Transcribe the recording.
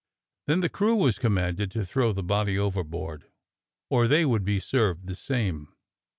Then the crew were com manded to throw the body overboard or they would be served the same.